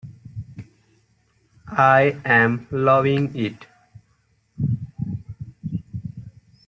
I'm loving it.